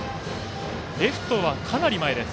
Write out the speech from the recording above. レフトはかなり前です。